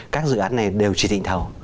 các dự án này đều chỉ định thầu